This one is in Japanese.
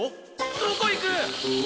どこへ行く？